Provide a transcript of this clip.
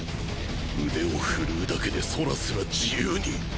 腕を振るうだけで空すら自由に！